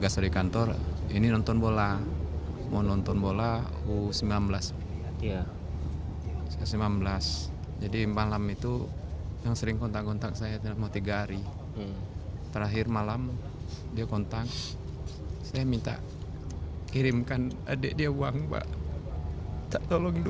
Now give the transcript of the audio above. sebab saya sering beli sepatu